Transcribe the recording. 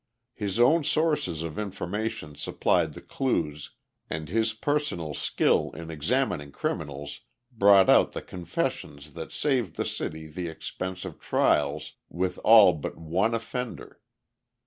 His own sources of information supplied the clues, and his personal skill in examining criminals brought out the confessions that saved the city the expense of trials with all but one offender.